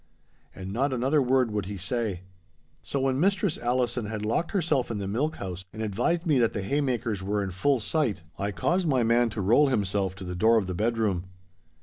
And not another word would he say. So when Mistress Allison had locked herself in the milk house, and advised me that the haymakers were in full sight, I caused my man to roll himself to the door of the bedroom.